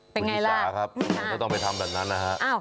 ไปไงล่ะนี่ค่ะครับถ้าต้องไปทำแบบนั้นนะครับเอ้า